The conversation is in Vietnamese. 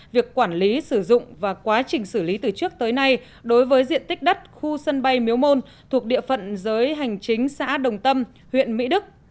việc quản lý sử dụng và quá trình xử lý từ trước tới nay đối với diện tích đất khu sân bay miếu môn thuộc địa phận giới hành chính xã đồng tâm huyện mỹ đức